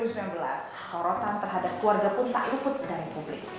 sorotan terhadap keluarga pun tak luput dari publik